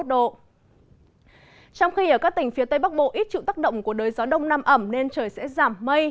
trong khi ở các tỉnh phía tây bắc bộ ít chịu tác động của đới gió đông nam ẩm nên trời sẽ giảm mây